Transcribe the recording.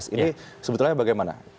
ini sebetulnya bagaimana